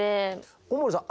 小森さん